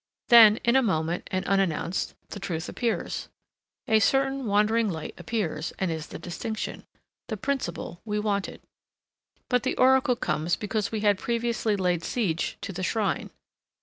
Then, in a moment, and unannounced, the truth appears. A certain wandering light appears, and is the distinction, the principle, we wanted. But the oracle comes because we had previously laid siege to the shrine.